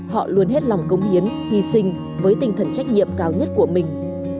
họ luôn hết lòng công hiến hy sinh với tinh thần trách nhiệm cao nhất của mình